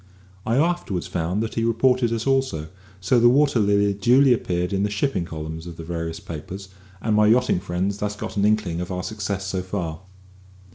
I afterwards found that he reported us also, so that the Water Lily duly appeared in the "shipping" columns of the various papers, and my yachting friends thus got an inkling of our success so far.